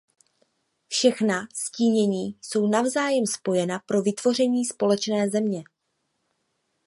Všechna stínění jsou navzájem spojena pro vytvoření společné země.